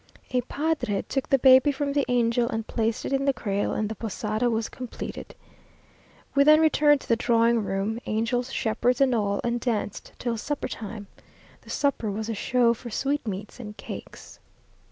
A padre took the baby from the angel, and placed it in the cradle, and the posada was completed. We then returned to the drawing room angels, shepherds, and all, and danced till suppertime. The supper was a show for sweetmeats and cakes.